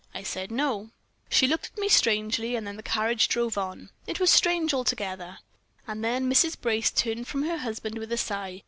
I said, 'No.' "She looked at me strangely, and then the carriage drove on. It was strange altogether." And again Mrs. Brace turned from her husband with a sigh.